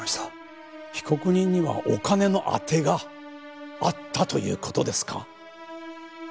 被告人にはお金の当てがあったという事ですか？